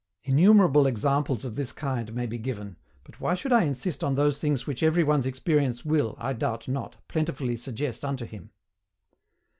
]. Innumerable examples of this kind may be given, but why should I insist on those things which every one's experience will, I doubt not, plentifully suggest unto him?